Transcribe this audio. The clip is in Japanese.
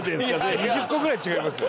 ２０個ぐらい違いますよ。